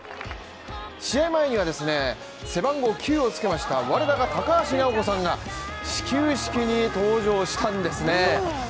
試合前にはですね、背番号９をつけました我らが高橋尚子さんが始球式に登場したんですね。